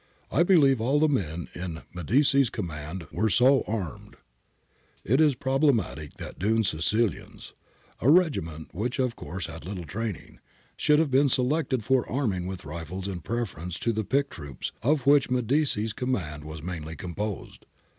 / believe all the vien in Medici's coinin and were so armed. It is im probable that Dunne's Sicilians (a regiment which of course had little training) should have been selected for arming with rifles in preference to the picked troops of which Medici's com mand was mainly composed.